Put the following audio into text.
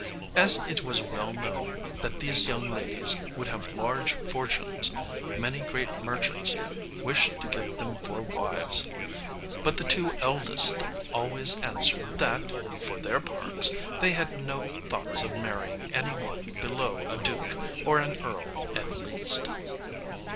As it was well known that these young ladies would have large fortunes, many great merchants wished to get them for wives; but the two eldest always answered that, for their parts, they had no thoughts of marrying any one below a duke or an earl at least.